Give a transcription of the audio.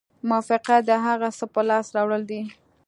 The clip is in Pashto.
موفقیت د هغه څه په لاس راوړل دي.